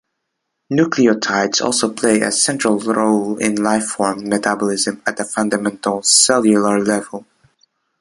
Nucleotides also play a central role in life-form metabolism at the fundamental, cellular level.